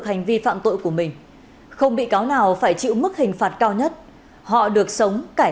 có gia đình đông con thuộc diện hộ nghèo và cận nghèo